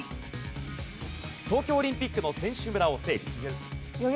東京オリンピックの選手村を整備。